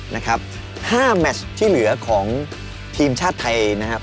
๕แม็ชที่เหลือของทีมชาติไทยนะครับ